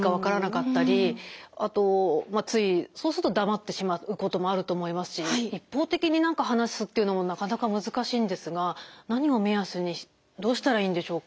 あとまあついそうすると黙ってしまうこともあると思いますし一方的に何か話すっていうのもなかなか難しいんですが何を目安にどうしたらいいんでしょうか？